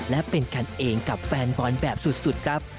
และเป็นกันเองกับแฟนบอลแบบสุดครับ